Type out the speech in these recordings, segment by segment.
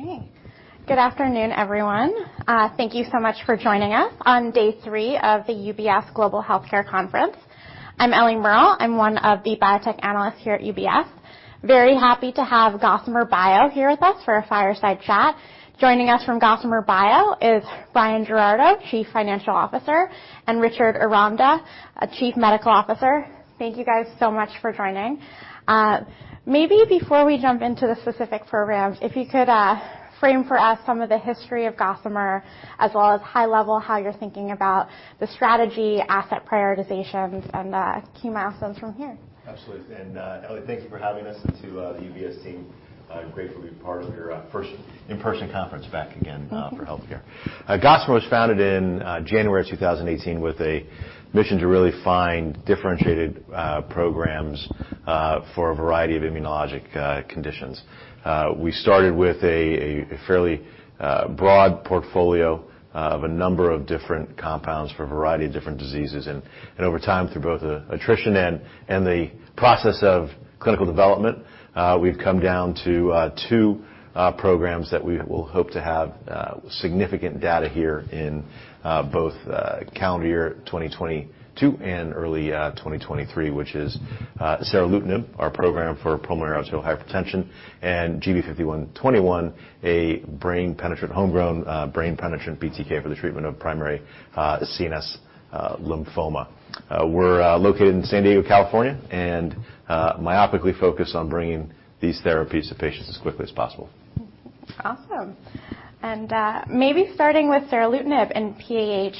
Okay. Good afternoon, everyone. Thank you so much for joining us on day three of the UBS Global Healthcare Conference. I'm Eliana Merle. I'm one of the biotech analysts here at UBS. Very happy to have Gossamer Bio here with us for a fireside chat. Joining us from Gossamer Bio is Bryan Giraudo, Chief Financial Officer, and Richard Aranda, Chief Medical Officer. Thank you guys so much for joining. Maybe before we jump into the specific programs, if you could, frame for us some of the history of Gossamer, as well as high level, how you're thinking about the strategy, asset prioritizations, and key milestones from here. Absolutely. Ellie, thank you for having us, and to the UBS team, grateful to be part of your first in-person conference back again. Mm-hmm. For healthcare. Gossamer was founded in January of 2018 with a mission to really find differentiated programs for a variety of immunologic conditions. We started with a fairly broad portfolio of a number of different compounds for a variety of different diseases. Over time, through both the attrition and the process of clinical development, we've come down to two programs that we will hope to have significant data here in both calendar year 2022 and early 2023, which is Seralutinib, our program for pulmonary arterial hypertension, and GB5121, a brain-penetrant homegrown BTK for the treatment of primary CNS lymphoma. We're located in San Diego, California, and myopically focused on bringing these therapies to patients as quickly as possible. Mm-hmm. Awesome. Maybe starting with Seralutinib and PAH.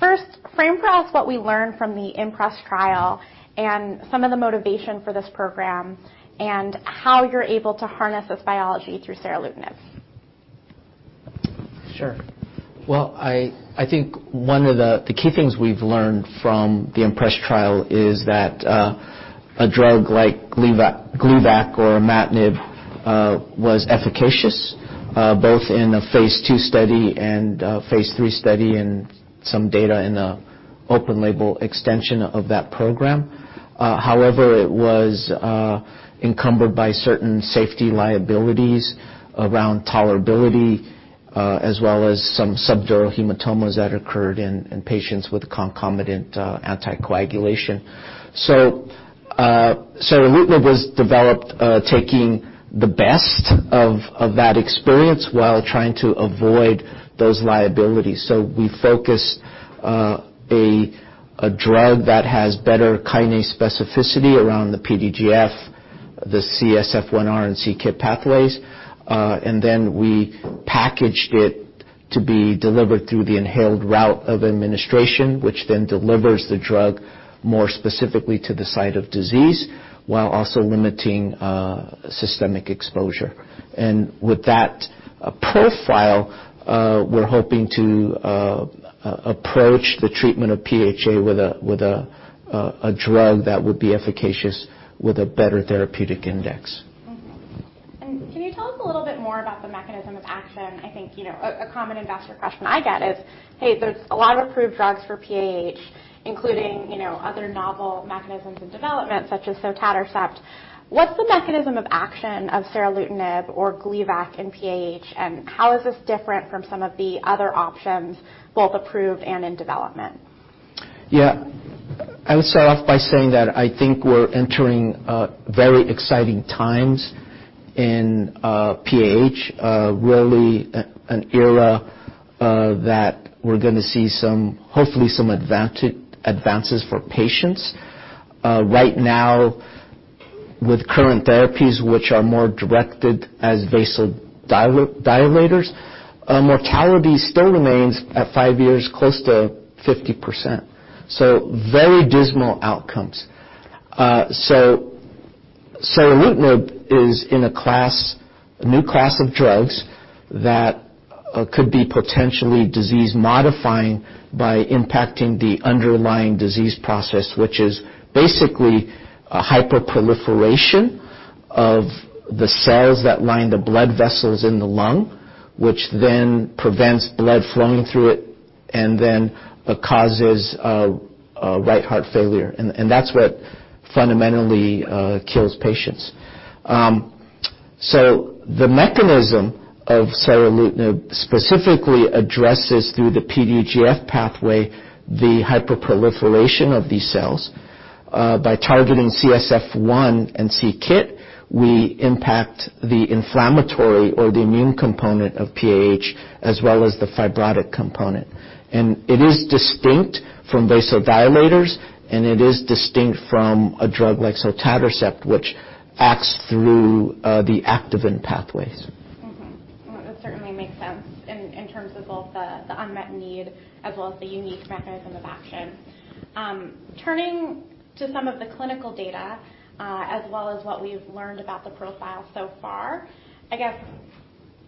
First, frame for us what we learned from the IMPRES trial and some of the motivation for this program and how you're able to harness this biology through Seralutinib. Sure. Well, I think one of the key things we've learned from the IMPRES trial is that a drug like Gleevec or imatinib was efficacious both in a phase II study and a phase III study, and some data in an open-label extension of that program. However, it was encumbered by certain safety liabilities around tolerability, as well as some subdural hematomas that occurred in patients with concomitant anticoagulation. Seralutinib was developed taking the best of that experience, while trying to avoid those liabilities. We focused on a drug that has better kinase specificity around the PDGF, the CSF1R and c-Kit pathways, and then we packaged it to be delivered through the inhaled route of administration, which then delivers the drug more specifically to the site of disease, while also limiting systemic exposure. With that profile, we're hoping to approach the treatment of PAH with a drug that would be efficacious with a better therapeutic index. Can you tell us a little bit more about the mechanism of action? I think, you know, a common investor question I get is, "Hey, there's a lot of approved drugs for PAH, including, you know, other novel mechanisms and developments, such as Sotatercept. What's the mechanism of action of Seralutinib or Gleevec in PAH, and how is this different from some of the other options, both approved and in development? Yeah. I would start off by saying that I think we're entering very exciting times in PAH, really an era that we're going to see some hopefully some advances for patients. Right now, with current therapies, which are more directed as vasodilators, mortality still remains at five years close to 50%, so very dismal outcomes. Seralutinib is in a class, a new class of drugs that could be potentially disease modifying by impacting the underlying disease process, which is basically a hyperproliferation of the cells that line the blood vessels in the lung, which then prevents blood flowing through it and then causes right heart failure. That's what fundamentally kills patients. The mechanism of Seralutinib specifically addresses, through the PDGF pathway, the hyperproliferation of these cells. By targeting CSF1 and c-Kit, we impact the inflammatory or the immune component of PAH as well as the fibrotic component. It is distinct from vasodilators, and it is distinct from a drug like Sotatercept, which acts through the activin pathways. Well, that certainly makes sense in terms of both the unmet need as well as the unique mechanism of action. Turning to some of the clinical data, as well as what we've learned about the profile so far, I guess,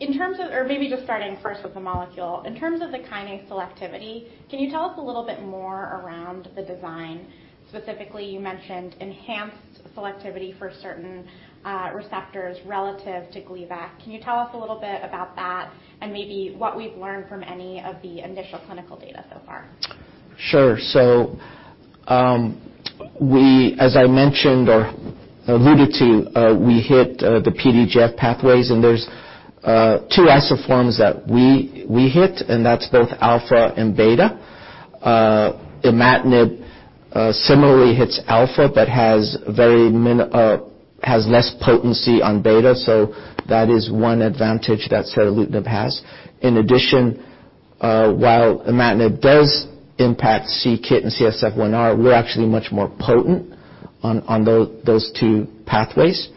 maybe just starting first with the molecule. In terms of the kinase selectivity, can you tell us a little bit more around the design? Specifically, you mentioned enhanced selectivity for certain receptors relative to Gleevec. Can you tell us a little bit about that and maybe what we've learned from any of the initial clinical data so far? Sure. We, as I mentioned or alluded to, we hit the PDGF pathways, and there's two isoforms that we hit, and that's both alpha and beta. imatinib similarly hits alpha but has less potency on beta. That is one advantage that Seralutinib has. In addition, while imatinib does impact c-Kit and CSF1R, we're actually much more potent on those two pathways.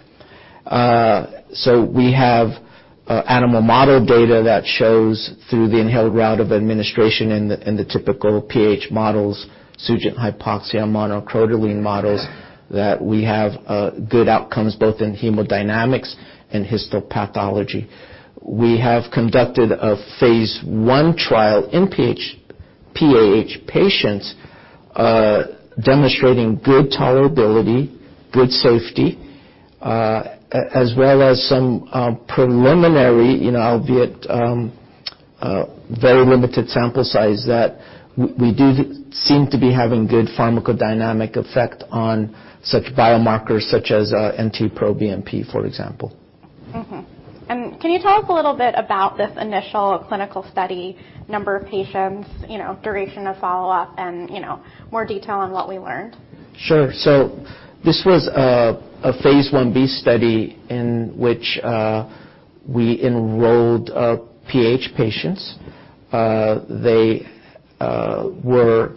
We have animal model data that shows through the inhaled route of administration in the typical PH models, Sugen/hypoxia monocrotaline models, that we have good outcomes both in hemodynamics and histopathology. We have conducted a phase I trial in PH-PAH patients, demonstrating good tolerability, good safety, as well as some preliminary, you know, albeit very limited sample size that we do seem to be having good pharmacodynamic effect on such biomarkers such as NT-proBNP, for example. Can you tell us a little bit about this initial clinical study number of patients, you know, duration of follow-up and, you know, more detail on what we learned? Sure. This was a phase Ib study in which we enrolled PH patients. They were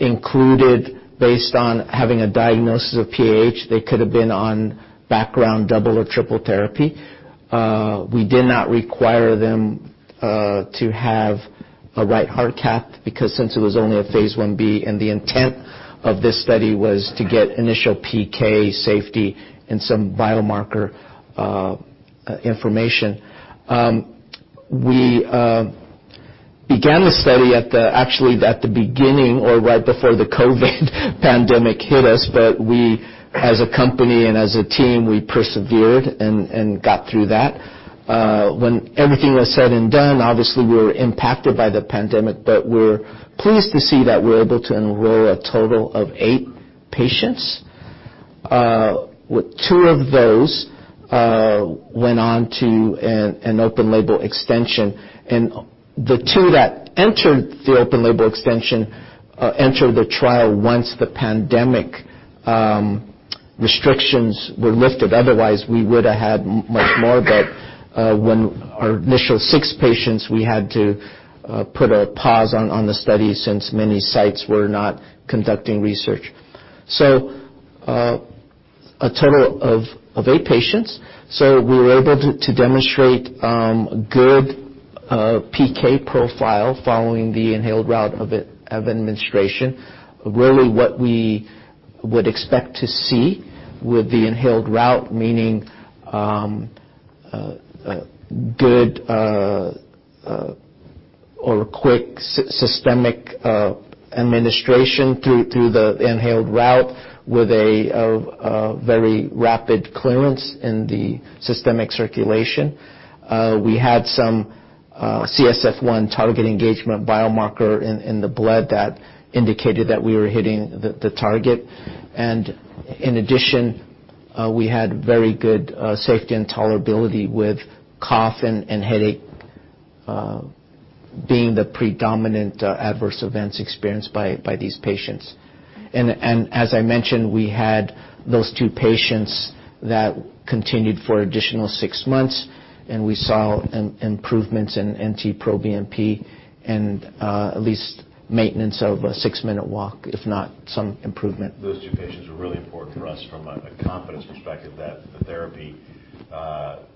included based on having a diagnosis of PH. They could have been on background double or triple therapy. We did not require them to have a right heart cath because since it was only a phase 1b, and the intent of this study was to get initial PK safety and some biomarker information. We began the study actually at the beginning or right before the COVID pandemic hit us. We, as a company and as a team, we persevered and got through that. When everything was said and done, obviously, we were impacted by the pandemic, but we're pleased to see that we're able to enroll a total of eight patients. With two of those went on to an open label extension. The two that entered the open label extension entered the trial once the pandemic restrictions were lifted. Otherwise, we would have had much more. When our initial six patients, we had to put a pause on the study since many sites were not conducting research. A total of eight patients. We were able to demonstrate good PK profile following the inhaled route of administration. Really what we would expect to see with the inhaled route, meaning a good or quick systemic administration through the inhaled route with a very rapid clearance in the systemic circulation. We had some CSF1 target engagement biomarker in the blood that indicated that we were hitting the target. In addition, we had very good safety and tolerability with cough and headache being the predominant adverse events experienced by these patients. As I mentioned, we had those two patients that continued for additional six months, and we saw improvements in NT-proBNP and at least maintenance of a six-minute walk, if not some improvement. Those two patients were really important to us from a confidence perspective that the therapy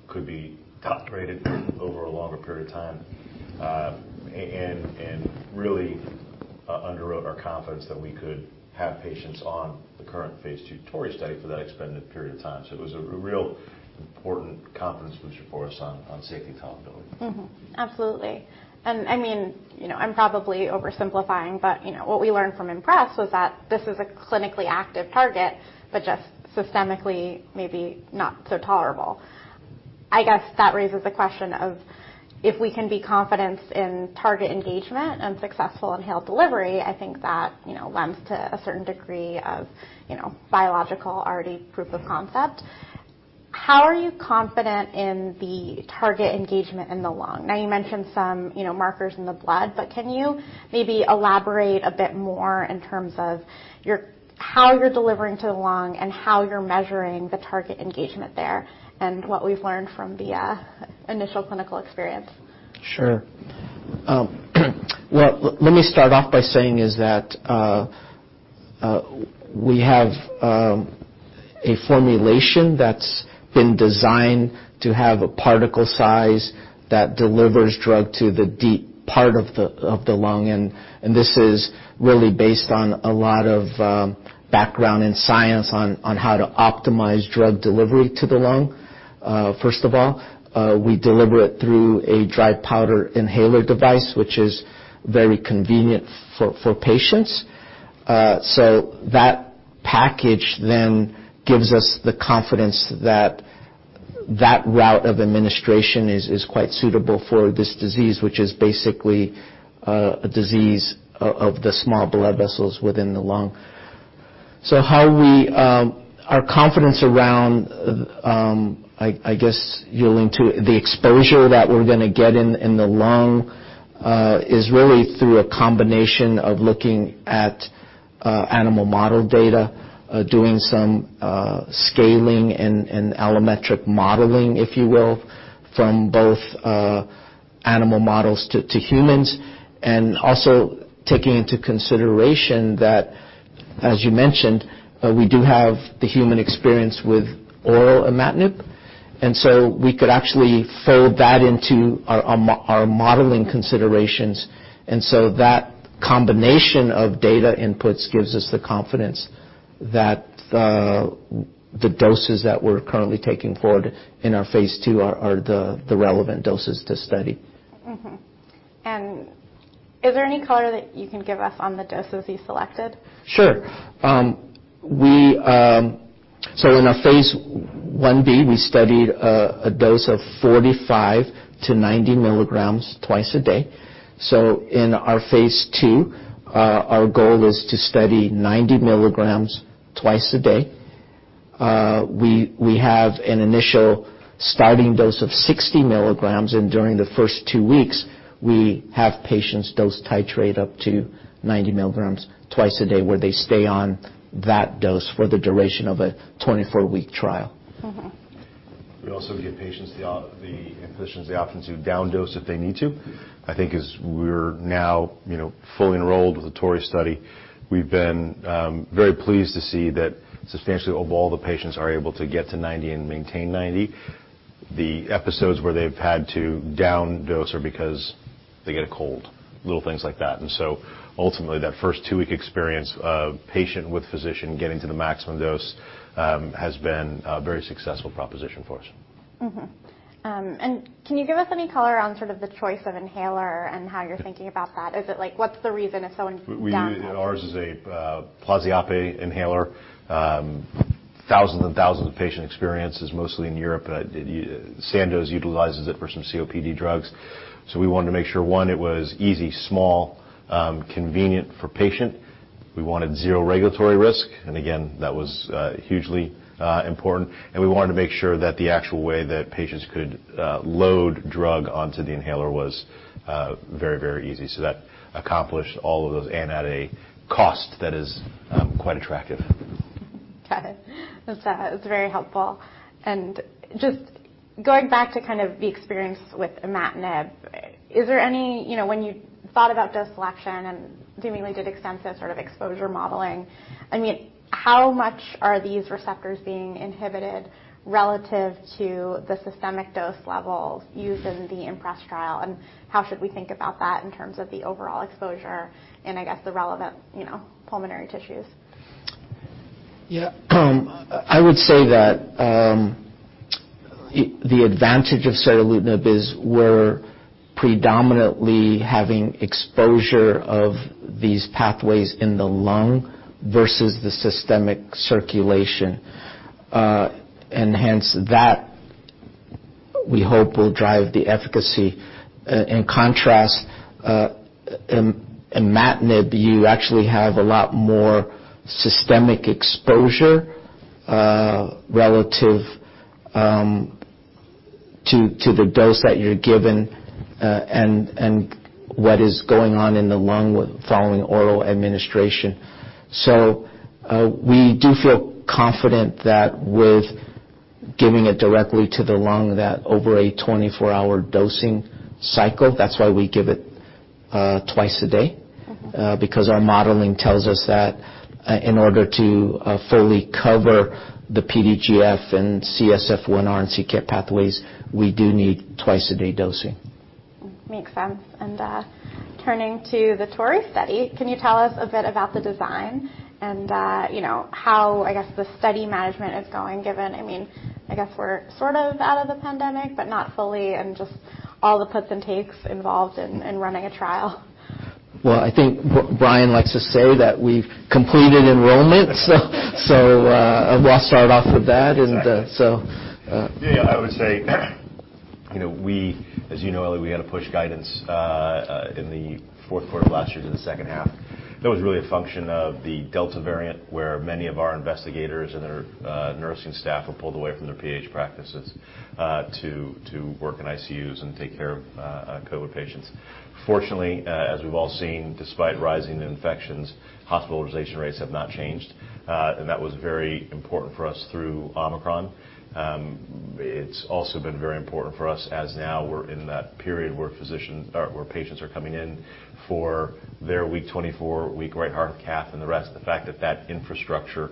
could be tolerated over a longer period of time, and really underwrote our confidence that we could have patients on the current phase II TORREY study for that extended period of time. It was a real important confidence booster for us on safety and tolerability. Mm-hmm. Absolutely. I mean, you know, I'm probably oversimplifying, but, you know, what we learned from IMPRES was that this is a clinically active target, but just systemically, maybe not so tolerable. I guess that raises the question of if we can be confident in target engagement and successful inhaled delivery. I think that, you know, lends to a certain degree of, you know, biological already proof of concept. How are you confident in the target engagement in the lung? Now, you mentioned some, you know, markers in the blood, but can you maybe elaborate a bit more in terms of how you're delivering to the lung and how you're measuring the target engagement there and what we've learned from the initial clinical experience? Sure. Well, let me start off by saying that we have a formulation that's been designed to have a particle size that delivers drug to the deep part of the lung, and this is really based on a lot of background in science on how to optimize drug delivery to the lung. First of all, we deliver it through a dry powder inhaler device, which is very convenient for patients. That package then gives us the confidence that that route of administration is quite suitable for this disease, which is basically a disease of the small blood vessels within the lung. How we... Our confidence around the exposure that we're going to get in the lung is really through a combination of looking at animal model data, doing some scaling and allometric modeling, if you will, from both animal models to humans, and also taking into consideration that, as you mentioned, we do have the human experience with oral imatinib. We could actually fold that into our modeling considerations. That combination of data inputs gives us the confidence that the doses that we're currently taking forward in our phase II are the relevant doses to study. Mm-hmm. Is there any color that you can give us on the doses you selected? Sure. In our phase 1B, we studied a dose of 45 mg -90 mg twice a day. In our phase II, our goal is to study 90 mg twice a day. We have an initial starting dose of 60 mg, and during the first two weeks, we have patients dose titrate up to 90 mg twice a day, where they stay on that dose for the duration of a 24-week trial. Mm-hmm. We also give patients or the physicians the option to down dose if they need to. I think as we're now, you know, fully enrolled with the TORREY study, we've been very pleased to see that substantially all of the patients are able to get to 90 and maintain 90. The episodes where they've had to down dose are because they get a cold, little things like that. Ultimately, that first two-week experience of the patient with the physician getting to the maximum dose has been a very successful proposition for us. Can you give us any color on sort of the choice of inhaler and how you're thinking about that? Is it, like, what's the reason, if so? We- Down dose? Ours is a Plastiape inhaler. Thousands and thousands of patient experiences, mostly in Europe. Sandoz utilizes it for some COPD drugs. We wanted to make sure, one, it was easy, small, convenient for patient. We wanted zero regulatory risk. Again, that was hugely important. We wanted to make sure that the actual way that patients could load drug onto the inhaler was very, very easy. That accomplished all of those and at a cost that is quite attractive. Got it. That's, it's very helpful. Just going back to kind of the experience with imatinib, is there any? You know, when you thought about dose selection and doing really extensive sort of exposure modeling, I mean, how much are these receptors being inhibited relative to the systemic dose levels used in the IMPRES trial, and how should we think about that in terms of the overall exposure and, I guess, the relevant, you know, pulmonary tissues? Yeah. I would say that the advantage of Seralutinib is we're predominantly having exposure of these pathways in the lung versus the systemic circulation. Hence, that, we hope, will drive the efficacy. In contrast, imatinib, you actually have a lot more systemic exposure relative to the dose that you're given and what is going on in the lung following oral administration. We do feel confident that with giving it directly to the lung that over a 24-hour dosing cycle, that's why we give it twice a day. Mm-hmm. Because our modeling tells us that in order to fully cover the PDGF and CSF1R and c-Kit pathways, we do need twice-a-day dosing. Makes sense. Turning to the TORREY study, can you tell us a bit about the design and, you know, how, I guess, the study management is going given, I mean, I guess, we're sort of out of the pandemic, but not fully, and just all the puts and takes involved in running a trial. Well, I think Bryan likes to say that we've completed enrollment. I'll start off with that. Exactly. And, uh, so, uh- Yeah. I would say, you know, we, as you know, Eliana, we had to push guidance in the fourth quarter of last year to the second half. That was really a function of the Delta variant, where many of our investigators and their nursing staff were pulled away from their PH practices to work in ICUs and take care of COVID patients. Fortunately, as we've all seen, despite rising infections, hospitalization rates have not changed. That was very important for us through Omicron. It's also been very important for us as now we're in that period where physicians, or where patients are coming in for their week 24 right heart cath and the rest. The fact that infrastructure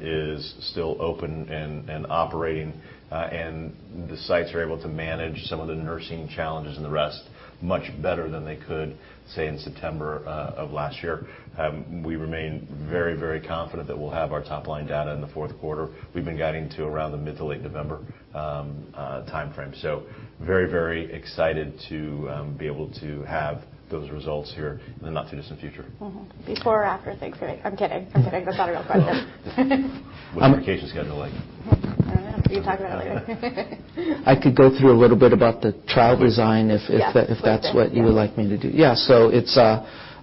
is still open and operating, and the sites are able to manage some of the nursing challenges and the rest much better than they could, say, in September of last year, we remain very, very confident that we'll have our top line data in the fourth quarter. We've been guiding to around the mid to late November timeframe. Very, very excited to be able to have those results here in the not-too-distant future. Before or after Thanksgiving? I'm kidding. I'm kidding. That's not a real question. What's your vacation schedule like? Can you talk about it later? I could go through a little bit about the trial design if that. Yeah. A little bit. Yeah. If that's what you would like me to do. Yeah, it's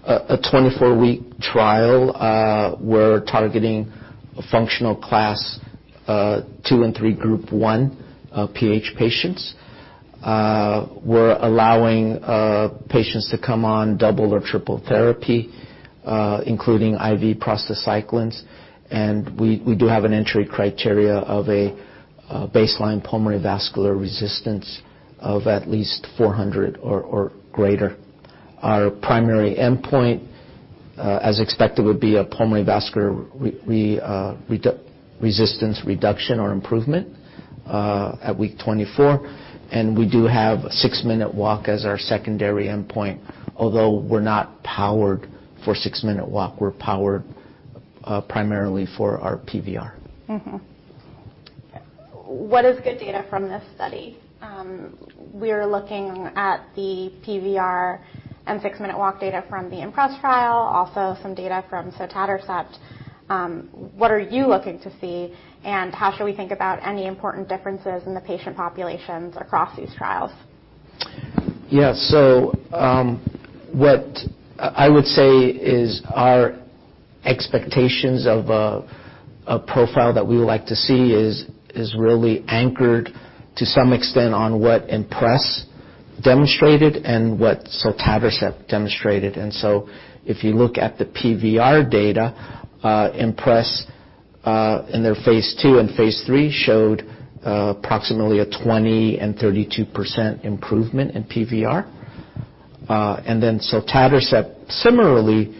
a 24-week trial. We're targeting functional class two and three group one PH patients. We're allowing patients to come on double or triple therapy, including IV prostacyclins. We do have an entry criteria of a baseline pulmonary vascular resistance of at least 400 or greater. Our primary endpoint, as expected, would be a pulmonary vascular resistance reduction or improvement at week 24, and we do have a six-minute walk as our secondary endpoint, although we're not powered for six-minute walk. We're powered primarily for our PVR. What is good data from this study? We're looking at the PVR and six-minute walk data from the IMPRES trial, also some data from sotatercept. What are you looking to see, and how should we think about any important differences in the patient populations across these trials? Yeah. What I would say is our expectations of a profile that we would like to see is really anchored, to some extent, on what IMPRES demonstrated and what Sotatercept demonstrated. If you look at the PVR data, IMPRES in their phase II and phase III showed approximately a 20% and 32% improvement in PVR. Then Sotatercept similarly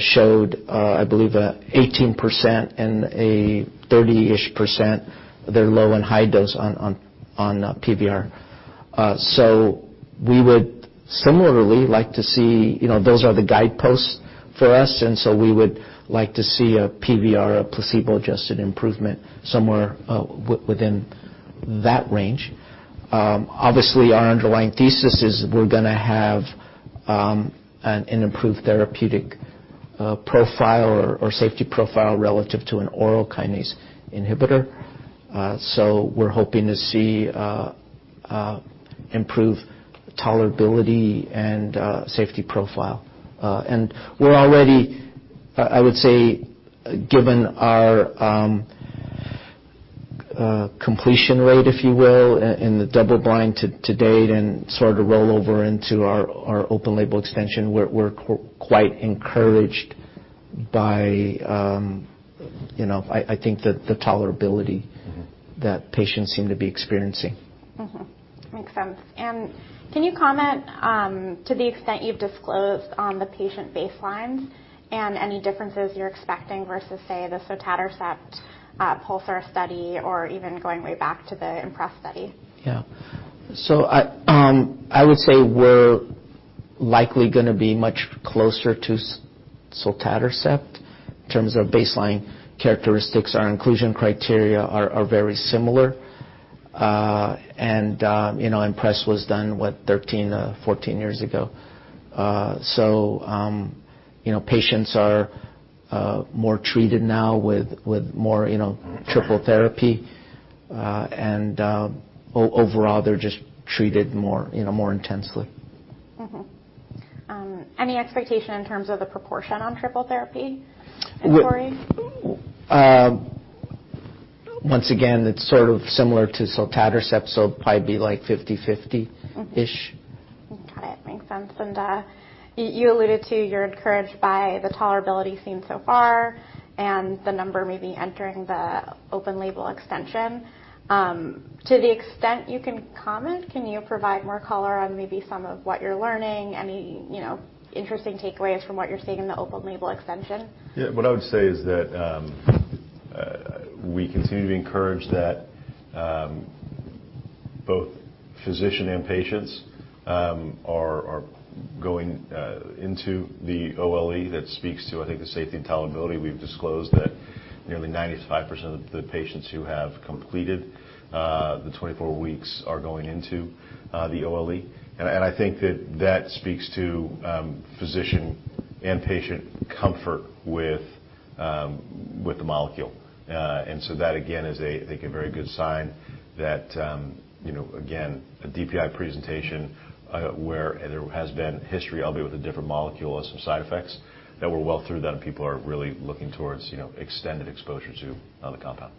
showed, I believe 18% and a 30-ish%, their low and high dose on PVR. We would similarly like to see. You know, those are the guideposts for us. We would like to see a PVR placebo-adjusted improvement somewhere within that range. Obviously, our underlying thesis is we're going to have an improved therapeutic profile or safety profile relative to an oral kinase inhibitor. We're hoping to see improved tolerability and safety profile. We're already, I would say, given our completion rate, if you will, in the double-blind to date and sort of roll over into our open label extension, quite encouraged by, you know, I think the tolerability. Mm-hmm. That patients seem to be experiencing. Mm-hmm. Makes sense. Can you comment to the extent you've disclosed on the patient baseline and any differences you're expecting versus, say, the Sotatercept PULSAR study or even going way back to the IMPRES study? Yeah. I would say we're likely going to be much closer to Sotatercept in terms of baseline characteristics. Our inclusion criteria are very similar. You know, IMPRES was done, what, 13-14 years ago. You know, patients are more treated now with more triple therapy. Overall, they're just treated more, you know, more intensely. Any expectation in terms of the proportion on triple therapy in TORREY? Once again, it's sort of similar to Sotatercept, so probably be like 50/50. Mm-hmm. Ish. Got it. Makes sense. You alluded to you're encouraged by the tolerability seen so far and the number maybe entering the open label extension. To the extent you can comment, can you provide more color on maybe some of what you're learning, any, you know, interesting takeaways from what you're seeing in the open label extension? Yeah. What I would say is that we continue to be encouraged that both physician and patients are going into the OLE. That speaks to, I think, the safety and tolerability. We've disclosed that nearly 95% of the patients who have completed the 24 weeks are going into the OLE. I think that that speaks to physician and patient comfort with the molecule. That, again, is a, I think, a very good sign that, you know, again, a DPI presentation, where there has been history, albeit with a different molecule, of some side effects, that we're well through that and people are really looking towards, you know, extended exposure to the compound.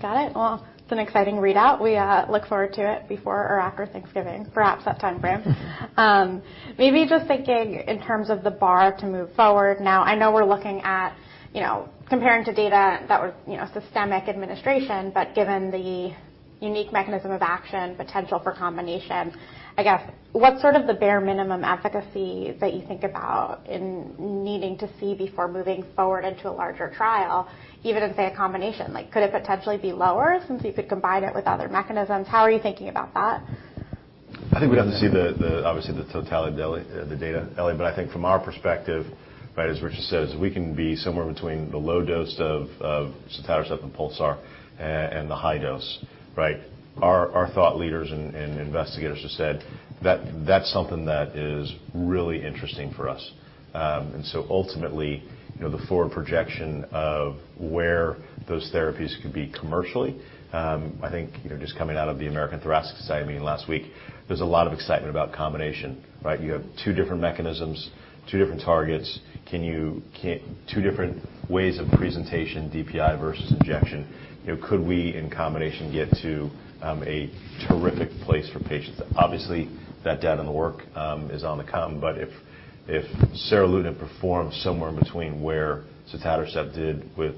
Got it. Well, it's an exciting readout. We look forward to it before or after Thanksgiving. Perhaps that timeframe. Maybe just thinking in terms of the bar to move forward now, I know we're looking at, you know, comparing to data that was, you know, systemic administration. Given the unique mechanism of action, potential for combination, I guess, what's sort of the bare minimum efficacy that you think about in needing to see before moving forward into a larger trial, even if say a combination? Like, could it potentially be lower since you could combine it with other mechanisms? How are you thinking about that? I think we have to see the totality of the data, Ellie. I think from our perspective, right, as Richard says, we can be somewhere between the low dose of Sotatercept and PULSAR and the high dose, right? Our thought leaders and investigators have said that that's something that is really interesting for us. Ultimately, you know, the forward projection of where those therapies could be commercially, I think, you know, just coming out of the American Thoracic Society meeting last week, there's a lot of excitement about combination, right? You have two different mechanisms, two different targets. Two different ways of presentation, DPI versus injection. You know, could we, in combination, get to a terrific place for patients? Obviously, that data in the works is on the way, but if Seralutinib performs somewhere between where Sotatercept did with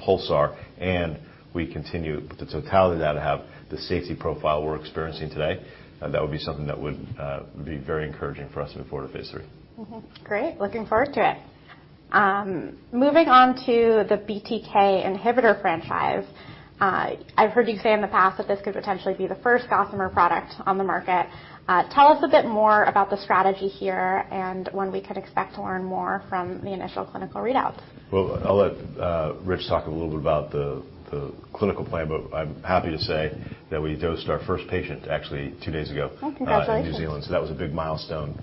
PULSAR, and we continue with the totality of data to have the safety profile we're experiencing today, that would be something that would be very encouraging for us to move forward to phase III. Mm-hmm. Great. Looking forward to it. Moving on to the BTK inhibitor franchise. I've heard you say in the past that this could potentially be the first Gossamer product on the market. Tell us a bit more about the strategy here and when we could expect to learn more from the initial clinical readouts. Well, I'll let Rich talk a little bit about the clinical plan, but I'm happy to say that we dosed our first patient actually two days ago. Oh, congratulations. in New Zealand. That was a big milestone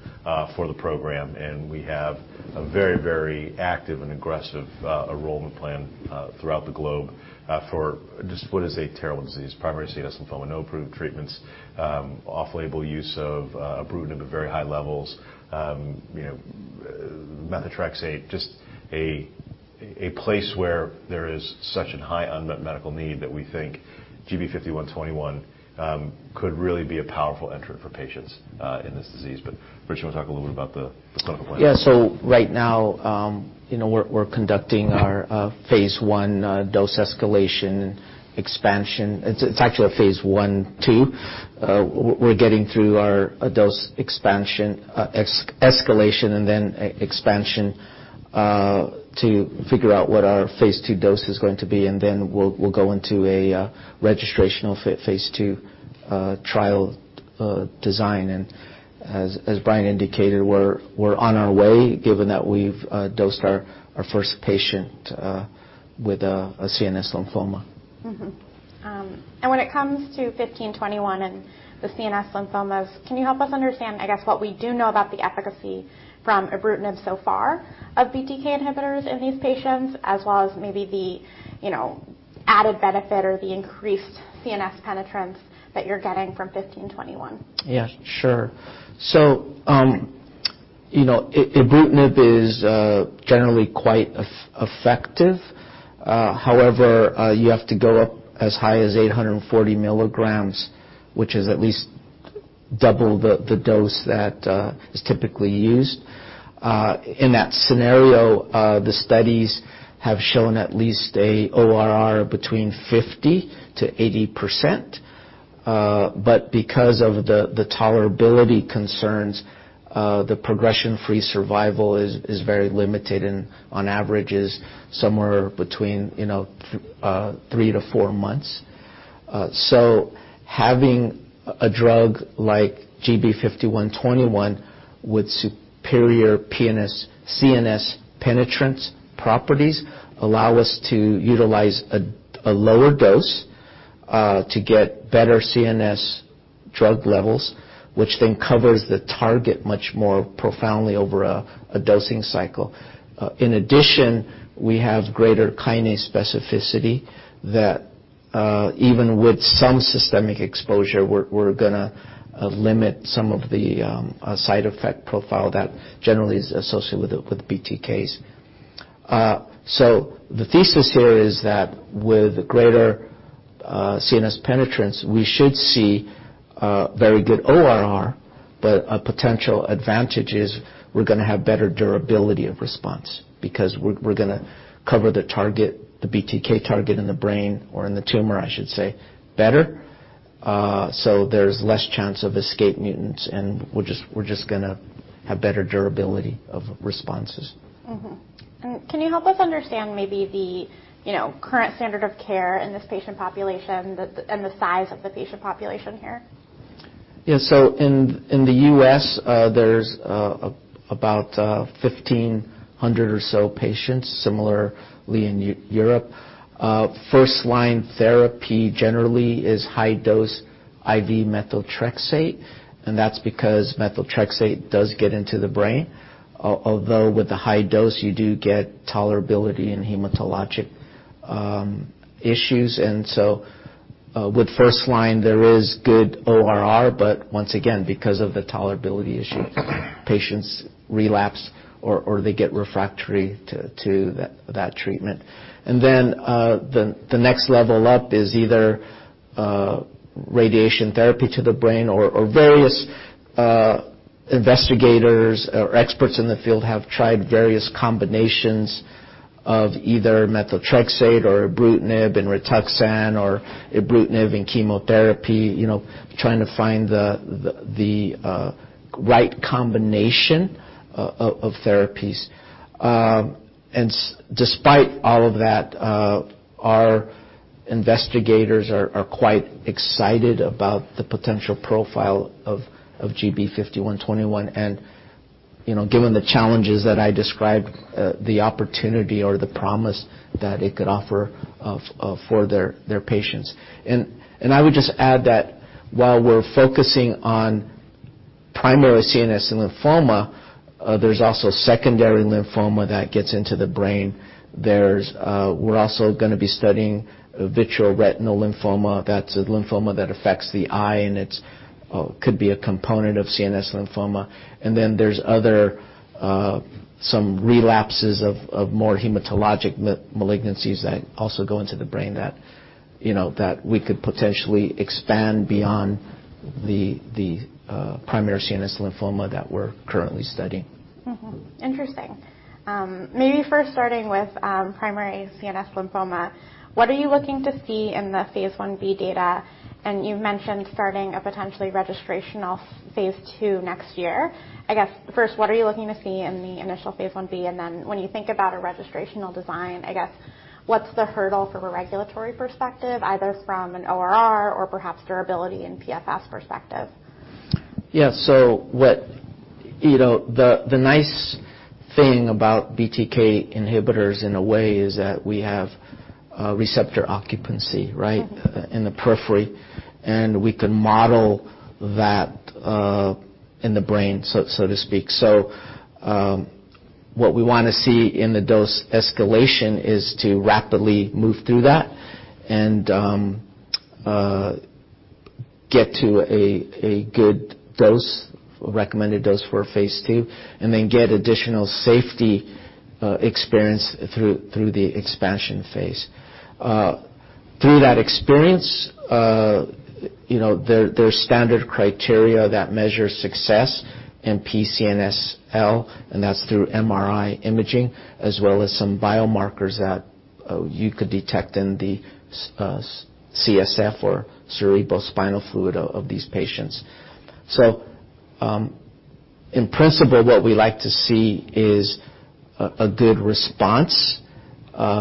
for the program. We have a very, very active and aggressive enrollment plan throughout the globe for just what is a terrible disease. Primary CNS lymphoma, no approved treatments, off-label use of ibrutinib at very high levels, you know, methotrexate, just a place where there is such a high unmet medical need that we think GB5121 could really be a powerful entrant for patients in this disease. But Rich, you want to talk a little bit about the clinical plan? Right now, you know, we're conducting our phase I dose escalation expansion. It's actually a phase I, II. We're getting through our dose escalation and then expansion to figure out what our phase II dose is going to be. We'll go into a registrational phase II trial design. As Bryan indicated, we're on our way, given that we've dosed our first patient with a CNS lymphoma. When it comes to GB5121 and the CNS lymphomas, can you help us understand, I guess, what we do know about the efficacy from ibrutinib so far of BTK inhibitors in these patients, as well as maybe the, you know, added benefit or the increased CNS penetrance that you're getting from GB5121? Yeah, sure. You know, ibrutinib is generally quite effective. However, you have to go up as high as 840 mg, which is at least double the dose that is typically used. In that scenario, the studies have shown at least an ORR of between 50%-80%. But because of the tolerability concerns, the progression-free survival is very limited and on average is somewhere between, you know, three months to four months. Having a drug like GB5121 with superior CNS penetrance properties allow us to utilize a lower dose to get better CNS drug levels, which then covers the target much more profoundly over a dosing cycle. In addition, we have greater kinase specificity that even with some systemic exposure, we're going to limit some of the side effect profile that generally is associated with BTKs. The thesis here is that with greater CNS penetrance, we should see very good ORR, but a potential advantage is we're going to have better durability of response because we're going to cover the target, the BTK target in the brain or in the tumor, I should say, better. There's less chance of escape mutants, and we're just going to have better durability of responses. Mm-hmm. Can you help us understand maybe the, you know, current standard of care in this patient population, and the size of the patient population here? In the U.S., there's about 1,500 or so patients, similarly in Europe. First-line therapy generally is high-dose IV methotrexate, and that's because methotrexate does get into the brain. Although with the high dose you do get tolerability and hematologic issues. With first line there is good ORR, but once again, because of the tolerability issue, patients relapse or they get refractory to that treatment. The next level up is either radiation therapy to the brain or various investigators or experts in the field have tried various combinations of either methotrexate or ibrutinib and Rituxan or ibrutinib and chemotherapy, you know, trying to find the right combination of therapies. Despite all of that, our investigators are quite excited about the potential profile of GB5121. You know, given the challenges that I described, the opportunity or the promise that it could offer for their patients. I would just add that while we're focusing on primarily CNS lymphoma, there's also secondary lymphoma that gets into the brain. We're also going to be studying vitreoretinal lymphoma, that's a lymphoma that affects the eye, and it could be a component of CNS lymphoma. There's some other relapses of more hematologic malignancies that also go into the brain that, you know, that we could potentially expand beyond the primary CNS lymphoma that we're currently studying. Mm-hmm. Interesting. Maybe first starting with primary CNS lymphoma, what are you looking to see in the phase Ib data? You've mentioned starting a potentially registrational phase II next year. I guess, first, what are you looking to see in the initial phase Ib? Then when you think about a registrational design, I guess, what's the hurdle from a regulatory perspective, either from an ORR or perhaps durability and PFS perspective? What, you know, the nice thing about BTK inhibitors in a way is that we have receptor occupancy, right? Mm-hmm In the periphery, and we can model that in the brain, so to speak. What we want to see in the dose escalation is to rapidly move through that and get to a good dose, recommended dose for phase II, and then get additional safety experience through the expansion phase. Through that experience, you know, there are standard criteria that measure success in PCNSL, and that's through MRI imaging, as well as some biomarkers that you could detect in the CSF or cerebrospinal fluid of these patients. In principle, what we like to see is a good response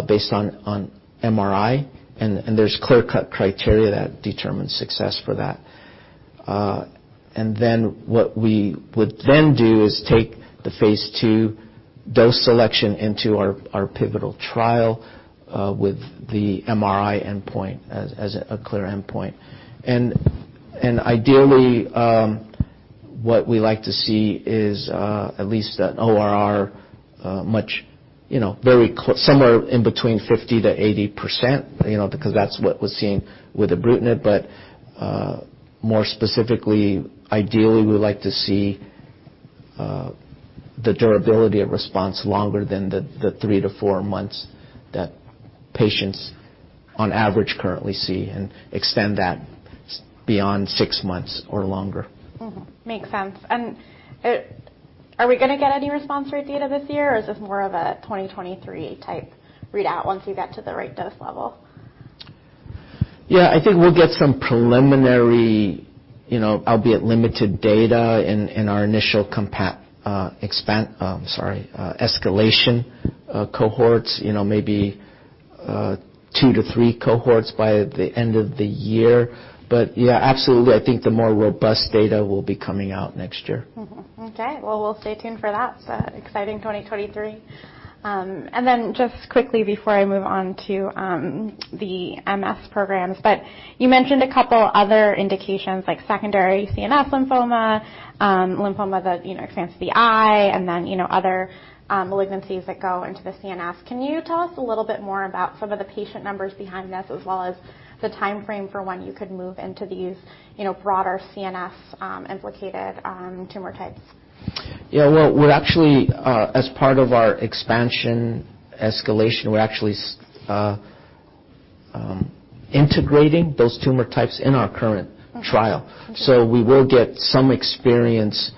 based on MRI, and there's clear-cut criteria that determine success for that. What we would then do is take the phase II dose selection into our pivotal trial with the MRI endpoint as a clear endpoint. Ideally, what we like to see is at least an ORR somewhere in between 50%-80%, you know, because that's what was seen with ibrutinib. More specifically, ideally, we like to see the durability of response longer than the three months to four months that patients on average currently see and extend that beyond six months or longer. Mm-hmm. Makes sense. Are we going to get any response rate data this year, or is this more of a 2023-type readout once you get to the right dose level? Yeah. I think we'll get some preliminary, you know, albeit limited data in our initial escalation cohorts, you know, maybe two to three cohorts by the end of the year. Yeah, absolutely. I think the more robust data will be coming out next year. Mm-hmm. Okay. Well, we'll stay tuned for that. Exciting 2023. Just quickly before I move on to the MS programs, you mentioned a couple other indications like secondary CNS lymphoma that, you know, expands to the eye and then, you know, other malignancies that go into the CNS. Can you tell us a little bit more about some of the patient numbers behind this, as well as the timeframe for when you could move into these, you know, broader CNS implicated tumor types? Yeah. Well, we're actually, as part of our expansion escalation, we're actually integrating those tumor types in our current trial. Okay. We will get some experience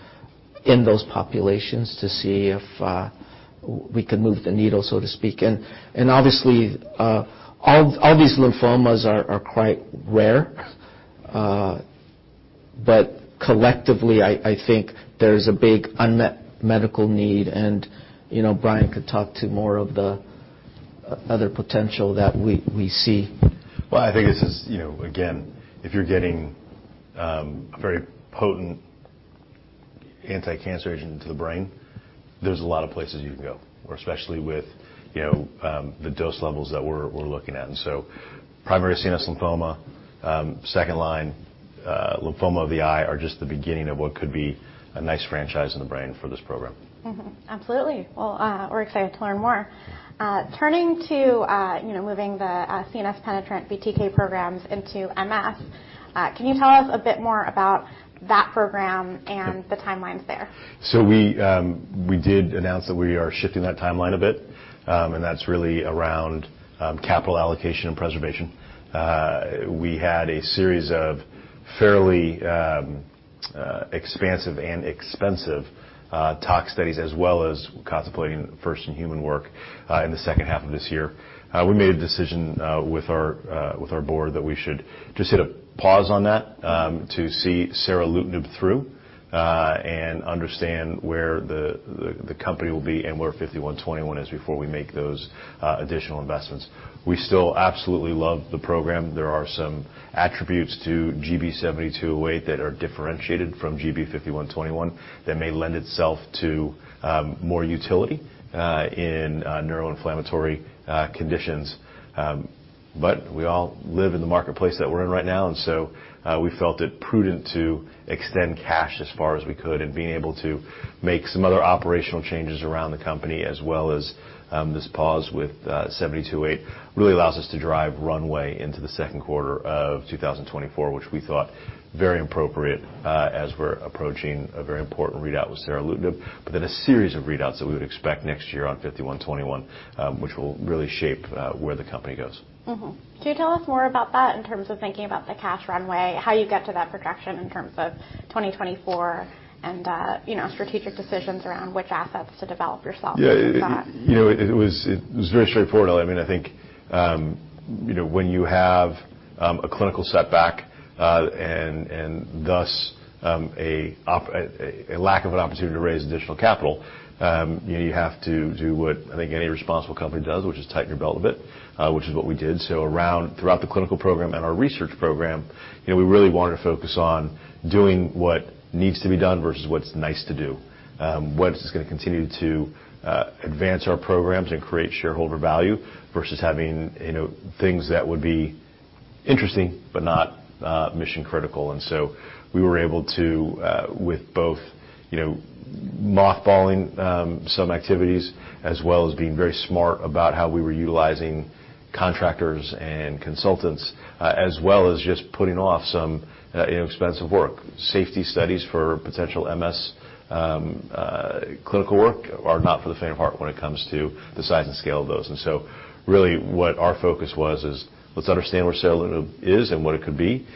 in those populations to see if we can move the needle, so to speak. Obviously, all these lymphomas are quite rare. Collectively, I think there's a big unmet medical need and, you know, Bryan could talk to more of the other potential that we see. Well, I think this is, you know. Again, if you're getting a very potent anti-cancer agent into the brain, there's a lot of places you can go, or especially with, you know, the dose levels that we're looking at. Primary CNS lymphoma, second line, lymphoma of the eye are just the beginning of what could be a nice franchise in the brain for this program. Mm-hmm. Absolutely. Well, we're excited to learn more. Turning to, you know, moving the CNS penetrant BTK programs into MS, can you tell us a bit more about that program and the timelines there? We did announce that we are shifting that timeline a bit, and that's really around capital allocation and preservation. We had a series of fairly expansive and expensive tox studies, as well as contemplating first in human work in the second half of this year. We made a decision with our board that we should just hit a pause on that to see Seralutinib through, and understand where the company will be and where 5121 is before we make those additional investments. We still absolutely love the program. There are some attributes to GB7208 that are differentiated from GB5121 that may lend itself to more utility in neuroinflammatory conditions. We all live in the marketplace that we're in right now, and so we felt it prudent to extend cash as far as we could and being able to make some other operational changes around the company, as well as this pause with GB7208 really allows us to drive runway into the second quarter of 2024, which we thought very appropriate, as we're approaching a very important readout with Seralutinib, but then a series of readouts that we would expect next year on GB5121, which will really shape where the company goes. Mm-hmm. Can you tell us more about that in terms of thinking about the cash runway, how you get to that projection in terms of 2024 and, you know, strategic decisions around which assets to develop yourself around that? Yeah. You know, it was very straightforward, Eliana. I mean, I think, you know, when you have a clinical setback, and thus a lack of an opportunity to raise additional capital, you know, you have to do what I think any responsible company does, which is tighten your belt a bit, which is what we did. Throughout the clinical program and our research program, you know, we really wanted to focus on doing what needs to be done versus what's nice to do, what is going to continue to advance our programs and create shareholder value versus having, you know, things that would be interesting but not mission-critical. We were able to, with both, you know, mothballing, some activities, as well as being very smart about how we were utilizing contractors and consultants, as well as just putting off some, you know, expensive work. Safety studies for potential MS, clinical work are not for the faint of heart when it comes to the size and scale of those. Really what our focus was is let's understand where Seralutinib is and what it could be.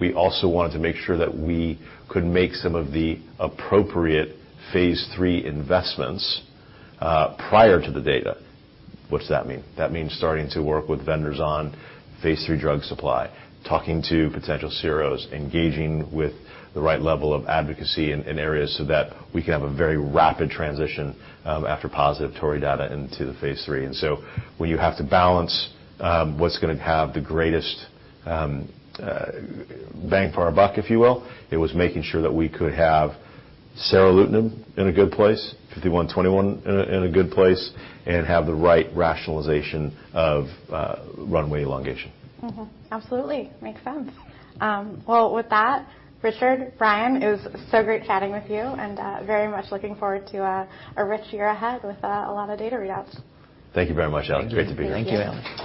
We also wanted to make sure that we could make some of the appropriate phase III investments, prior to the data. What does that mean? That means starting to work with vendors on phase III drug supply, talking to potential CROs, engaging with the right level of advocacy in areas so that we can have a very rapid transition after positive TORREY data into the phase III. When you have to balance what's going to have the greatest bang for our buck, if you will, it was making sure that we could have Seralutinib in a good place, GB5121 in a good place, and have the right rationalization of runway elongation. Mm-hmm. Absolutely. Makes sense. Well, with that, Richard, Bryan, it was so great chatting with you, and very much looking forward to a rich year ahead with a lot of data readouts. Thank you very much, Eliana. It's great to be here. Thank you, Ellie.